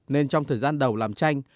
nên trong thời gian đầu làm tranh